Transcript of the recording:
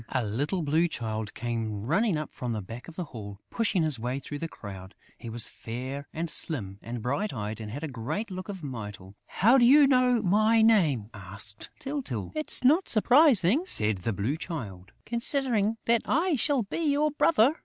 A little Blue Child came running up from the back of the hall, pushing his way through the crowd. He was fair and slim and bright eyed and had a great look of Mytyl. "How do you know my name?" asked Tyltyl. "It's not surprising," said the Blue Child, "considering that I shall be your brother!"